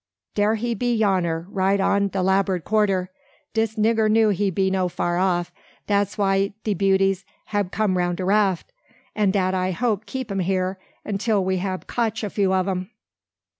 dar he be yonner, right on de la'bord quarter. Dis nigger knew he no far off. Da's why de beauties hab come roun de raff; an dat I hope keep um hyar till we hab cotch a few ob dem!"